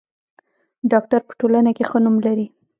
ډاکټر په ټولنه کې ښه نوم لري.